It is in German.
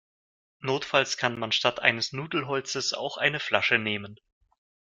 Notfalls kann man statt eines Nudelholzes auch eine Flasche nehmen.